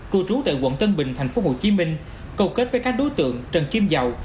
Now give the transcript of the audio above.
cư trú tại quận tân bình tp hcm cầu kết với các đối tượng trần kim dầu